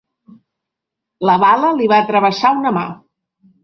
La bala li va travessar una mà.